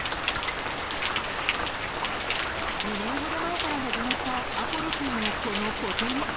２年ほど前から始まったアポロ君の、このぽて寝。